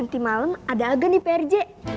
nanti malam ada agen di prj